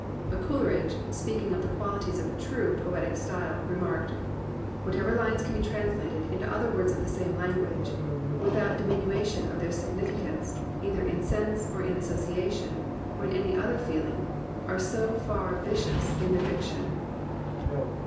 But Coleridge, speaking of the qualities of a true poetic style, re marked: "Whatever lines can be translated into other words of the same language without diminu tion of their significance, either in sense, or in asso ciation, or in any other feeling, are so far vicious in their diction."